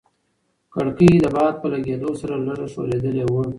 کړکۍ د باد په لګېدو سره لږه ښورېدلې وه.